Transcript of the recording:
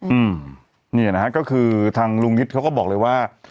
อืมนี่นะครับก็คือทางลุงฤทธิ์เขาก็บอกเลยว่า